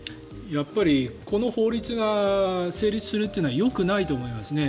やっぱりこの法律が成立するというのはよくないと思いますね。